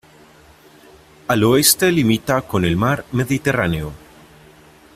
Al oeste limita con el Mar Mediterráneo.